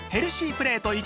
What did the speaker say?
プレート１枚